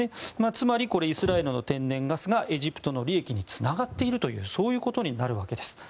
つまりイスラエルの天然ガスがエジプトの利益につながっているというそういうことになるわけです。